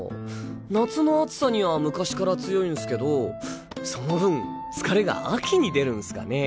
夏の暑さには昔から強いんスけどその分疲れが秋に出るんスかね？